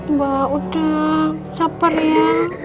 mbak udah sabar ya